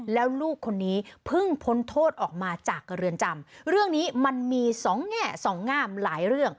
แล้วลูกคนนี้เพิ่งพ้นโทษออกมาจากเรือนจำเรื่องนี้มันมีสองแง่สองงามหลายเรื่อง